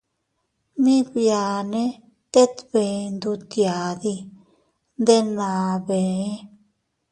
Mii biane tet bee ndutyadi, ndenna bee.